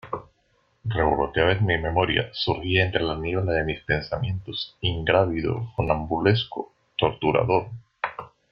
revoloteaba en mi memoria, surgía entre la niebla de mis pensamientos , ingrávido , funambulesco , torturador.